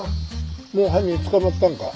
もう犯人捕まったんか？